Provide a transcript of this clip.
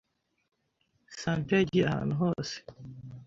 Santa yagiye ahantu hose